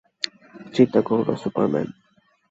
চিন্তা করো না, সুপারম্যান।